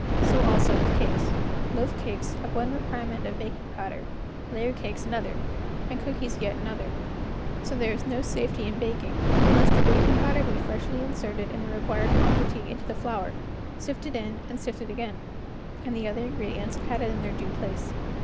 So also with cakes. Loaf cakes have one requirement of baking powder, layer cakes another, and cookies yet another; so there is no safety in baking unless the baking powder be freshly in¬ serted in the required quantity into the flour, sifted in and sifted again, and the other ingredients added in their due place.